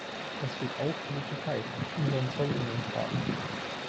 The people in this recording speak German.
Das gilt auch für die Türkei, unseren Zollunionspartner.